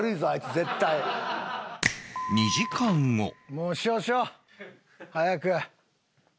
もうしようしよう！早く。